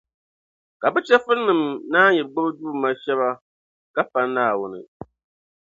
Ka bɛ chεfurinima naan yi gbibi duuma shɛba ka pa Naawuni.